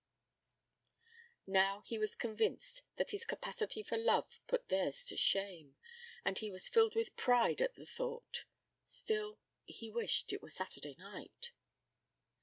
Now he was convinced that his capacity for love put theirs to shame, and he was filled with pride at the thought. Still he wished it were Saturday night.